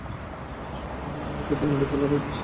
আমি তাদের মেরে ফেলার আগে সেটাই বলেছিলাম।